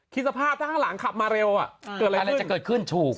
คิดสภาพถ้าข้างหลังขับมาเร็วเกิดอะไรจะเกิดขึ้นถูก